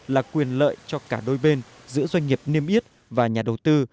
là quyền lợi cho cả đôi bên giữa doanh nghiệp niêm yết và nhà đầu tư